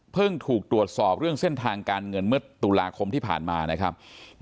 ถูกตรวจสอบเรื่องเส้นทางการเงินเมื่อตุลาคมที่ผ่านมานะครับ